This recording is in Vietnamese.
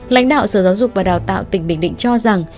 lãnh đạo sở giáo dục và đào tạo tỉnh bình định cho rằng